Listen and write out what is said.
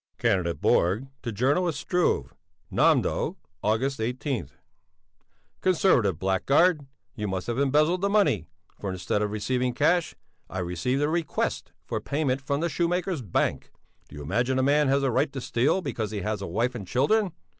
CANDIDATE BORG to JOURNALIST STRUVE NÄMDÖ, August 18 CONSERVATIVE BLACKGUARD, You must have embezzled the money, for instead of receiving cash, I received a request for payment from the Shoemakers' Bank. Do you imagine a man has a right to steal because he has a wife and children?